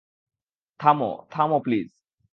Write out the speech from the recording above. থামো, থামো প্লিজ!